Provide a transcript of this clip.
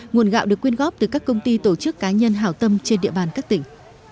nguồn gạo được quyên góp từ các công ty tổ chức cá nhân hảo tâm trên địa bàn các tỉnh